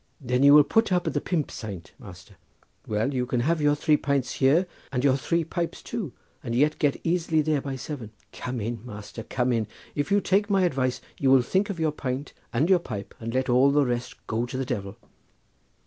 "Then you will put up at the 'Pump Saint,' master; well, you can have your three pints here and your three pipes too, and yet get there easily by seven. Come in, master, come in! If you take my advice you will think of your pint and your pipe and let all the rest go to the devil."